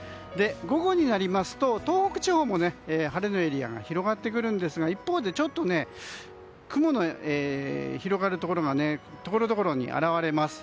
午後になりますと東北地方も晴れのエリアが広がってくるんですが一方で雲の広がるところがところどころに現れます。